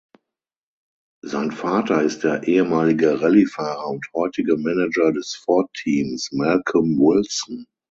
Sein Vater ist der ehemalige Rallyefahrer und heutige Manager des Ford-Teams, Malcolm Wilson.